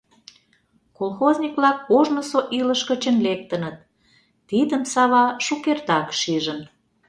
Колхозник-влак ожнысо илыш гычын лектыныт — тидым Сава шукертак шижын.